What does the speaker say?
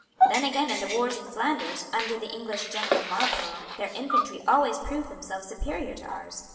Then again in the wars in Flanders, under the English general Marlborough their infantry always proved themselves superior to ours.